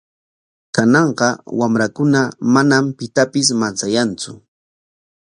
Kananqa wamrakuna manam pitapis manchayantsu.